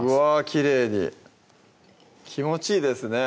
きれいに気持ちいいですね